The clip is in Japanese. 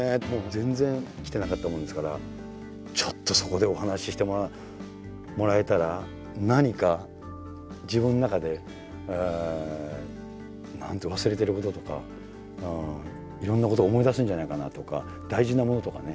全然来てなかったもんですからちょっとそこでお話ししてもらえたら何か自分の中で何か忘れてることとかいろんなことが思い出せるんじゃないかなとか大事なものとかね